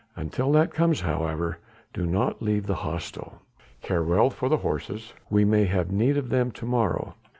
Until that comes, however, do not leave the hostel. Care well for the horses, we may have need of them to morrow.